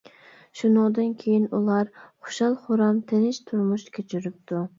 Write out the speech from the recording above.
شۇنىڭدىن كېيىن ئۇلار خۇشال-خۇرام، تىنچ تۇرمۇش كەچۈرۈپتۇ.